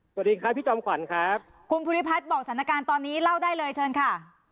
สวัสดีครับพี่จอมขวัญครับคุณภูริพัฒน์บอกสถานการณ์ตอนนี้เล่าได้เลยเชิญค่ะ